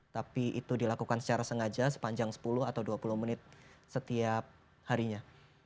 tapi itu dilakukan secara sengaja sepanjang sepuluh atau dua puluh menit setiap harinya